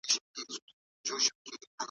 بانکونو خلګو ته پورونه ورکول.